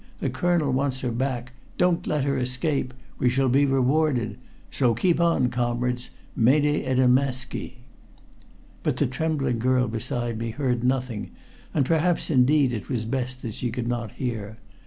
The Colonel wants her back. Don't let her escape! We shall be well rewarded. So keep on, comrades! Mene edemmäski!" But the trembling girl beside me heard nothing, and perhaps indeed it was best that she could not hear.